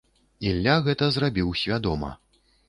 Ілля гэта зрабіў свядома.